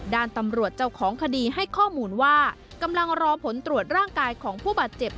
ด้านตำรวจเจ้าของคดีให้ข้อมูลว่ากำลังรอผลตรวจร่างกายของผู้บาดเจ็บ